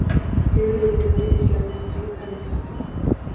تۆرە ھۆكۈملىرى ئۆزگەرمەس قېلىپ ئەمەس ئىدى.